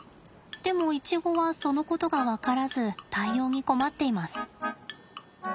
でもイチゴはそのことが分からず対応に困っています。